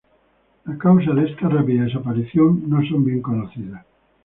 Las causas de esta rápida desaparición no son bien conocidas.